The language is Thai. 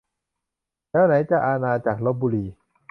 แล้วไหนจะอาณาจักรลพบุรี